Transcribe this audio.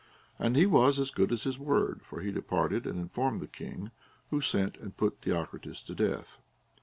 And he was as good as his word ; for he departed and in formed the king, who sent and put Theocritus to death.